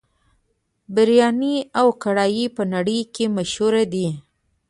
بریاني او کري په نړۍ کې مشهور دي.